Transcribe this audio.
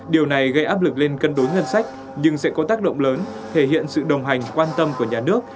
điều này gây áp lực lên cân đối ngân sách nhưng sẽ có tác động lớn thể hiện sự đồng hành quan tâm của nhà nước